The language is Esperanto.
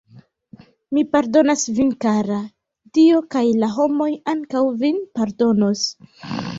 Mi pardonas vin, kara; Dio kaj la homoj ankaŭ vin pardonos.